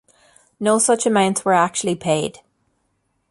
No such amounts were actually paid.